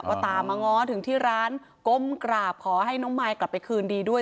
ก็ตามมาง้อถึงที่ร้านก้มกราบขอให้น้องมายกลับไปคืนดีด้วย